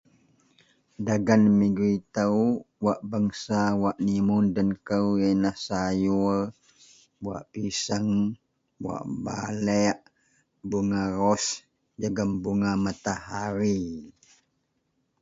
Dagen negeri ito wak bangsa wak nimun iyen lah sayur buwak piseang buwak balek bunga ros jegem bunga matahari.